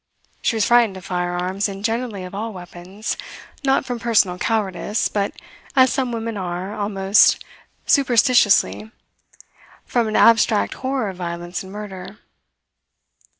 She was frightened of firearms, and generally of all weapons, not from personal cowardice, but as some women are, almost superstitiously, from an abstract horror of violence and murder.